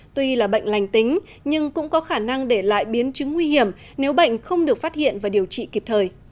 tuy là bệnh lành tính nhưng cũng có khả năng để lại biến chứng nguy hiểm nếu bệnh không được phát hiện và điều trị kịp thời